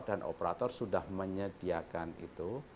dan operator sudah menyediakan itu